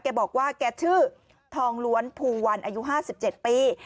บอกว่าแกชื่อทองล้วนภูวันอายุ๕๗ปี